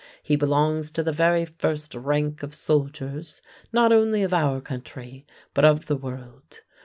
He belongs to the very first rank of soldiers, not only of our country but of the world.